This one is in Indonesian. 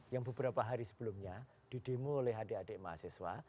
yang beberapa hari sebelumnya didemo oleh adik adik mahasiswa